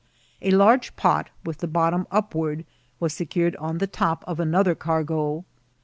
A large pot, with the bottom upward, was secured on the top o€ another cai^o.